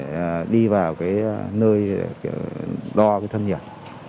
để đi vào cái nơi đo cái thân nhiệt